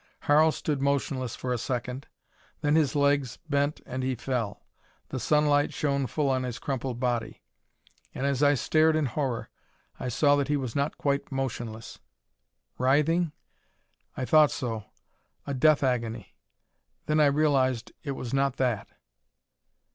Harl stood motionless for a second; then his legs bent and he fell. The sunlight shone full on his crumpled body. And as I stared in horror, I saw that he was not quite motionless. Writhing? I thought so: a death agony. Then I realized it was not that.